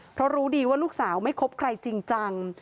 เพราะรู้ดีว่าลูกสาวไม่คบใครจริงจัง